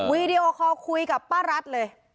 วีดีโอคอลคุยกับป้ารัฐเลย